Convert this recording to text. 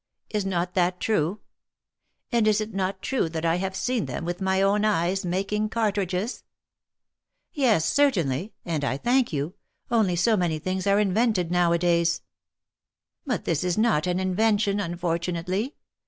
Is not that true? And is it not true that I have seen them, with my own eyes, making cartridges ?" Yes, certainly ; and I thank you ; only so many things are invented now a days." 268 THE MARKETS OF PARIS. ^^But this is not an invention, unfortunately.